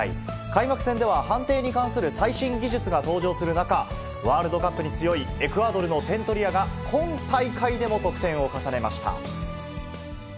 開幕戦では判定に関する最新技術が登場する中、ワールドカップに強いエクアドルの点取り屋が、今大会でも得点を重ねました。